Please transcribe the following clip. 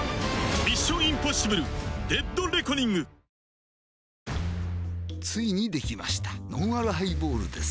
続くついにできましたのんあるハイボールです